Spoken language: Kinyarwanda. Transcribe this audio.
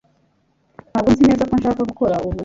Ntabwo nzi neza ko nshaka gukora ubu